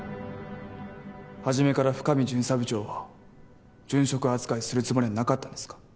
初めから深海巡査部長を殉職扱いするつもりはなかったんですか？